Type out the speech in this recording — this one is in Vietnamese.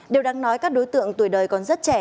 điều đáng nói các đối tượng tuổi đời còn rất trẻ